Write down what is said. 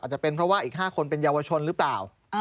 จะเป็นเพราะว่าอีก๕คนเป็นเยาวชนหรือเปล่า